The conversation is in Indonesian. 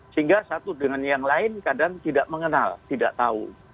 sehingga satu dengan yang lain kadang tidak mengenal tidak tahu